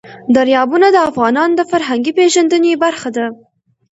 دریابونه د افغانانو د فرهنګي پیژندنې برخه ده.